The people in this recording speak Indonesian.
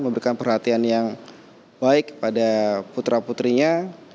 memberikan perhatian yang baik pada putra putrinya